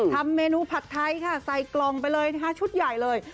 ทำเมนูผัดไทยค่ะใส่กล่องไปเลยนะคะชุดใหญ่เลย